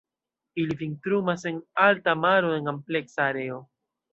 Ili vintrumas en alta maro en ampleksa areo.